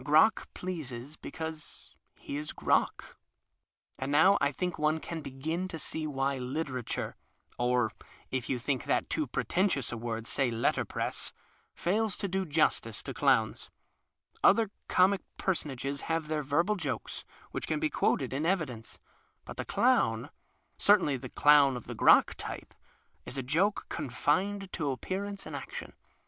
Crock pleases because he is Crock. And now I think one can begin to see why litera ture (or if you think that too pretentious a word, say letterpress) fails to do justice to clowns. Other comic personages have their verbal jokes, which can be quoted in evidence, but the clown (certainly the clown of the Crock type) is a joke confined to appear ance and action.